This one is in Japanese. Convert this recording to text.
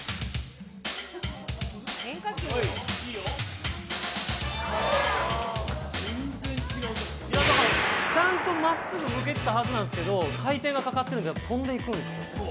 変化球？ちゃんとまっすぐ向けてたはずなんですけど回転がかかっているから飛んでいくんですよ。